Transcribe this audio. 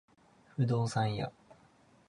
不動産屋